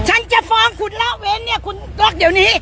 ฉันจะฟ้องคุณละเว้นเนี่ยคุณก็เดี๋ยวนี้